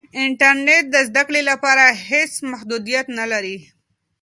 انټرنیټ د زده کړې لپاره هېڅ محدودیت نه لري.